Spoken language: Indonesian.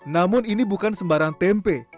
namun ini bukan sembarang tempe